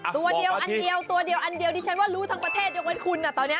ตัวเดียวอันเดียวตัวเดียวอันเดียวดิฉันว่ารู้ทั้งประเทศยกเว้นคุณตอนนี้